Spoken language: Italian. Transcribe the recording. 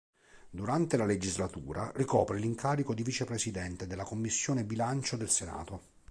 Durante la legislatura ricopre l'incarico di Vicepresidente della Commissione Bilancio del Senato.